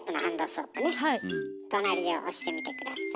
隣を押してみて下さい。